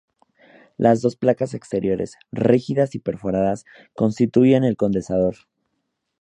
Las dos placas exteriores, rígidas y perforadas, constituyen el condensador.